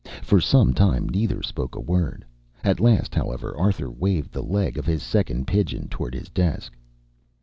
For some time neither spoke a word. At last, however, Arthur waved the leg of his second pigeon toward his desk.